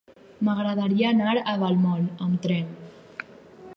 M'agradaria anar a Vallmoll amb tren.